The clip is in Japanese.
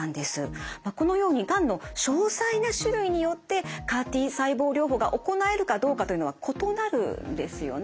このようにがんの詳細な種類によってＣＡＲ−Ｔ細胞療法が行えるかどうかというのは異なるんですよね。